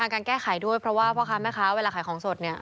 การแก้ไขด้วยเพราะว่าพ่อค้าแม่ค้าเวลาขายของสดเนี่ย